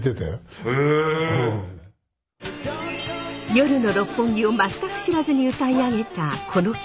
夜の六本木を全く知らずに歌い上げたこの曲。